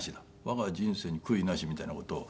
「我が人生に悔いなし」みたいな事を。